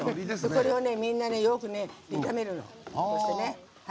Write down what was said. それを、みんなよくいためるのよ。